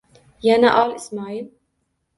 Yana ol, Ismoil